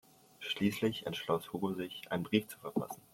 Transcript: Schließlich entschloss Hugo sich, einen Brief zu verfassen.